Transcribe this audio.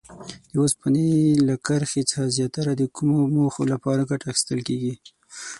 د اوسپنې له کرښې څخه زیاتره د کومو موخو لپاره ګټه اخیستل کیږي؟